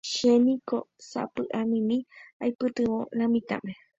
Chéniko sapy'amimi aipytyvõ lo mitãme.